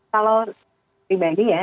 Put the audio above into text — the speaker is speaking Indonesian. kalau pribadi ya